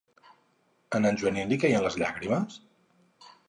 A en Joanín li queien les llàgrimes?